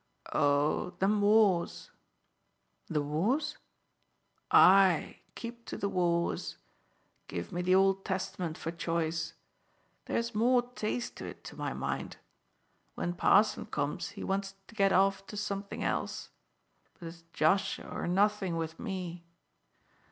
"Oh, them wars." "The wars?" "Aye, keep to the wars! Give me the Old Testament for choice. There's more taste to it, to my mind. When parson comes he wants to get off to something else; but it's Joshua or nothing with me.